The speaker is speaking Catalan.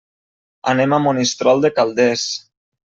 Anem a Monistrol de Calders.